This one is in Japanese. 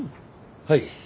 はい。